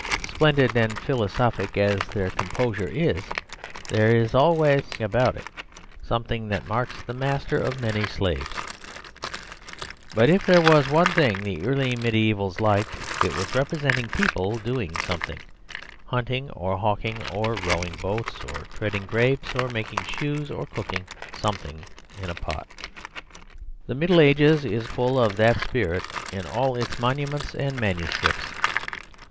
Splendid and philosophic as their composure is there is always about it something that marks the master of many slaves. But if there was one thing the early mediaevals liked it was representing people doing something hunting or hawking, or rowing boats, or treading grapes, or making shoes, or cooking something in a pot. "Quicquid agunt homines, votum, timor, ira voluptas." (I quote from memory.) The Middle Ages is full of that spirit in all its monuments and manuscripts.